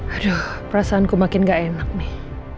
aduh perasaanku makin gak enak nih